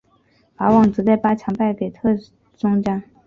法网则在八强败给特松加。